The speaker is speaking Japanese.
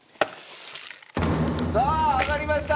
さあ上がりました！